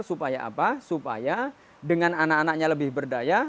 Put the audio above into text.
supaya dengan anak anaknya lebih berdaya